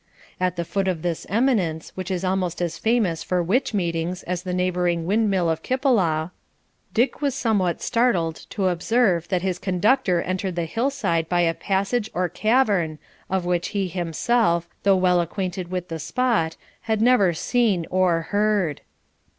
At the foot of this eminence, which is almost as famous for witch meetings as the neighbouring wind mill of Kippilaw, Dick was somewhat startled to observe that his conductor entered the hillside by a passage or cavern, of which he himself, though well acquainted with the spot, had never seen or heard.